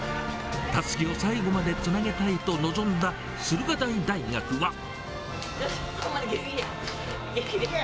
たすきを最後までつなげたいと臨んだ駿河台大学は。